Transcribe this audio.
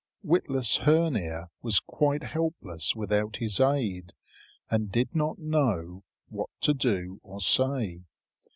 Witless Hœnir was quite helpless without his aid, and did not know what to do or say.